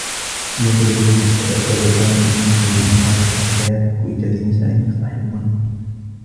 لم يكن لدى سامي أيّ مشكل لمقابلة فتيات أو إيجاد نساء يصطحبهنّ.